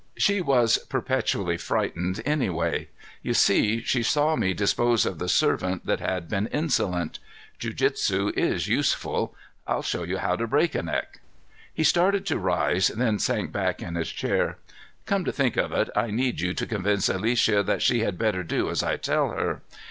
She was perpetually frightened, anyway. You see, she saw me dispose of the servant that had been insolent. Jujutsu is useful. I'll show you how to break a neck." He started to rise, then sank back in his chair. "Come to think of it, I need you to convince Alicia that she had better do as I tell her.